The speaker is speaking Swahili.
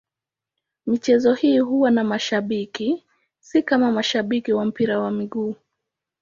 Michezo hii huwa na mashabiki, si kama mashabiki wa mpira wa miguu.